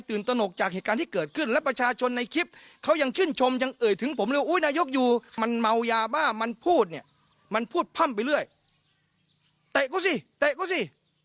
เอายาบ้ามันพูดเนี่ยมันพูดพ่ำไปเรื่อยเตะก็สิเตะก็สิ